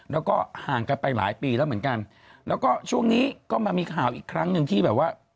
แล้วก็ห่างกันไปหลายปีแล้วเหมือนกันแล้วก็ช่วงนี้ก็มามีข่าวอีกครั้งหนึ่งที่แบบว่า